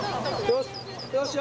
よし。